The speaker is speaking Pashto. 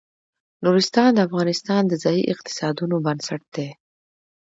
نورستان د افغانستان د ځایي اقتصادونو بنسټ دی.